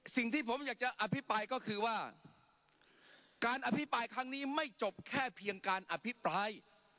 สิ่งที่ผมอยากจะอภิปรายก็คือว่าการอภิปรายครั้งนี้ไม่จบแค่เพียงการอภิปราย